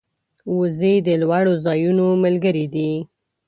وزې د لوړو ځایونو ملګرې دي